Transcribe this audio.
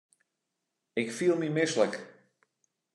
Ik fiel my mislik.